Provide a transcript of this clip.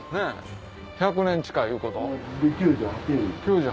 １００年近いいうこと？